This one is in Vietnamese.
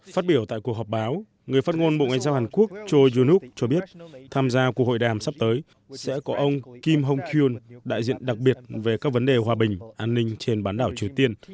phát biểu tại cuộc họp báo người phát ngôn bộ ngoại giao hàn quốc cho yunov cho biết tham gia cuộc hội đàm sắp tới sẽ có ông kim hong kyun đại diện đặc biệt về các vấn đề hòa bình an ninh trên bán đảo triều tiên